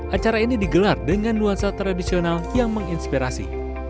acara ini digelar dengan nuansa tradisional yang menginspirasi